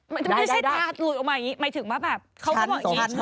ไม่ใช่ทาสหลุดออกมาอย่างนี้หมายถึงว่าแบบเขาก็บอกอย่างนี้